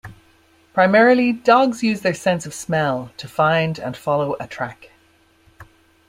Primarily, dogs use their sense of smell, to find and follow a track.